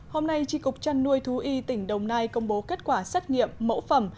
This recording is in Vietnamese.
hôm nay tri cục trăn nuôi thú y tỉnh đồng nai công bố kết quả xét nghiệm mẫu phẩm